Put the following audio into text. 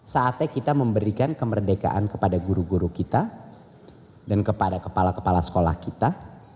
saatnya kita memberikan kemerdekaan kepada guru guru kita dan kepada kepala kepala sekolah kita